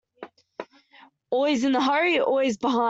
Always in a hurry, always behind.